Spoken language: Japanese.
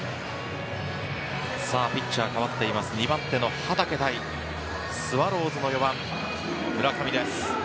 ピッチャー代わって２番手の畠対スワローズの４番、村上です。